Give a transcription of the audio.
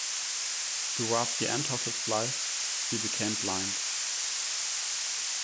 Toward the end of his life he became blind.